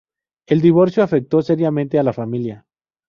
El divorcio afectó seriamente a la familia.